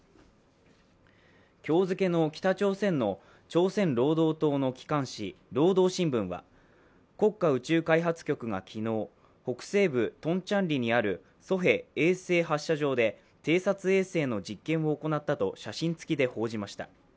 今日付の北朝鮮の朝鮮労働党の機関紙「労働新聞」は国家宇宙開発局が昨日、北西部トンチャンリにあるソヘ衛星発射場で偵察衛星の実験を行ったと写真つきで報じました。